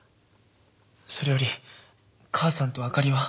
それより母さんと明里は？